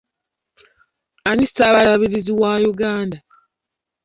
Ani ssaababalirizi wa Uganda?